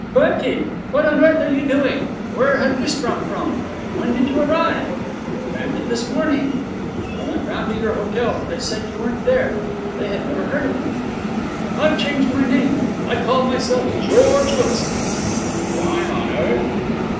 'Bertie! What on earth are you doing? Where have you sprung from? When did you arrive?' 'Landed this morning. I went round to your hotel, but they said you weren't there. They had never heard of you.' 'I've changed my name. I call myself George Wilson.' 'Why on earth?'